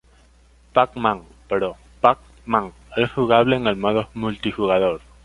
Pac-Man, pero Pac-Man es jugable en el modo multijugador.